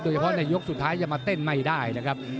เฉพาะในยกสุดท้ายจะมาเต้นไม่ได้นะครับ